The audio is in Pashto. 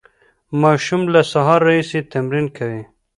ماشوم له سهاره راهیسې تمرین کوي.